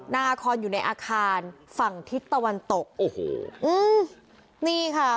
นาคอนอยู่ในอาคารฝั่งทิศตะวันตกโอ้โหอืมนี่ค่ะ